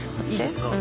いいですか？